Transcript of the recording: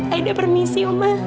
aida permisi oma